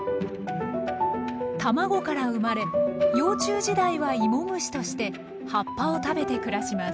卵から生まれ幼虫時代はイモムシとして葉っぱを食べて暮らします。